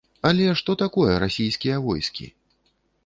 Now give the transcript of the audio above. Але што такое расійскія войскі?